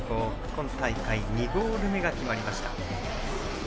今大会２ゴール目が決まりました。